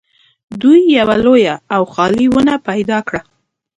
دوی یوه لویه او خالي ونه پیدا کړه